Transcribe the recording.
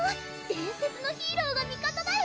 伝説のヒーローが味方だよ！